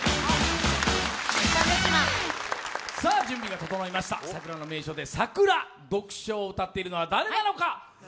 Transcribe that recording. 準備が整いました、桜の名所で「さくら」を歌っているのは誰なのか。